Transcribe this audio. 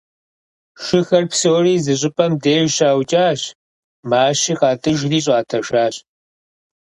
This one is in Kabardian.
Шыхэр псори зы щӏыпӏэм деж щаукӏащ, мащи къыщатӏыжри щӏатӏэжащ.